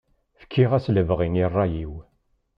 Fkiɣ-as lebɣi i ṛṛay-iw.